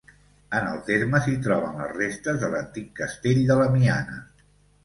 En el terme s'hi troben les restes de l’antic castell de la Miana.